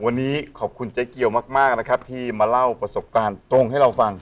วันนี้ขอบคุณเจ๊เกียวมากนะครับที่มาเล่าประสบการณ์ตรงให้เราฟัง